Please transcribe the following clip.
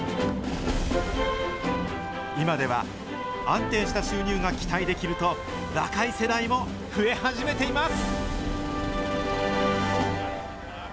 今では、安定した収入が期待できると、若い世代も増え始めています。